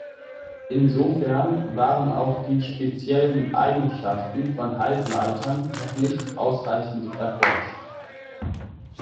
Insofern waren auch die speziellen Eigenschaften von Halbleitern noch nicht ausreichend erforscht.